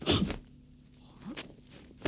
janganlah kau berguna